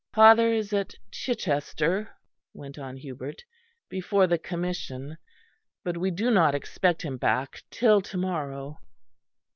"Father is at Chichester," went on Hubert, "before the Commission, but we do not expect him back till to morrow."